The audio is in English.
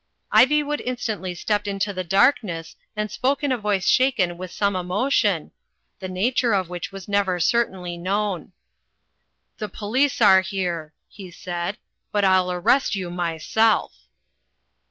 Ivywood instantly stepped into the darkness, and spoke in a voice shaken with some emotion, the nature of which was never certainly known. *The police are here," he said, "but I'll arrest you myself."